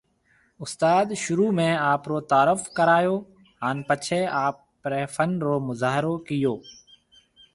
استاد شروع ۾ آپرو تعارف ڪرايو ھان پڇي آپري فن رو مظاھرو ڪيئو